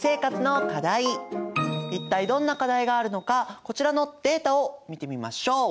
一体どんな課題があるのかこちらのデータを見てみましょう。